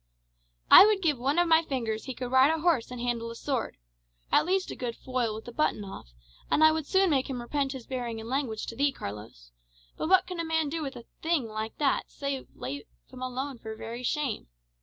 "I would give one of my fingers he could ride a horse and handle a sword, or at least a good foil with the button off, and I would soon make him repent his bearing and language to thee, Carlos. But what can a man do with a thing like that, save let him alone for very shame?